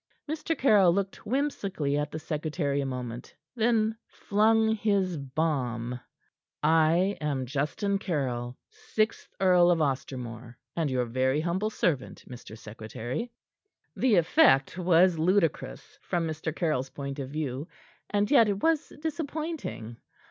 Mr. Caryll looked whimsically at the secretary a moment; then flung his bomb. "I am Justin Caryll, Sixth Earl of Ostermore, and your very humble servant, Mr. Secretary." The effect was ludicrous from Mr. Caryll's point of view and yet it was disappointing.